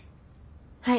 はい。